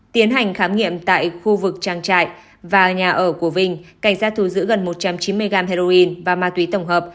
tiến hành khám nghiệm tại khu vực trang trại và nhà ở của vinh cảnh giác thu giữ gần một trăm chín mươi gram heroin và ma túy tổng hợp